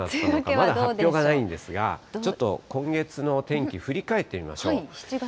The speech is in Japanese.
まだ発表はないんですが、ちょっと今月のお天気、振り返ってみましょう。